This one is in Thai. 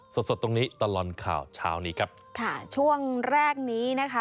สดสดตรงนี้ตลอดข่าวเช้านี้ครับค่ะช่วงแรกนี้นะคะ